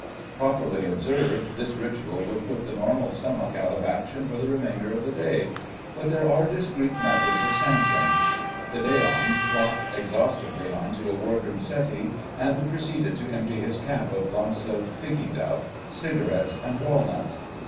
Properly observed, this ritual would put the normal stomach out of action for the remainder of the day. But there are discreet methods of sampling. The Day on flopped exhaustedly on to a Wardroom settee, and proceeded to empty his cap of lumps of "figgy duff," cigarettes, and walnuts.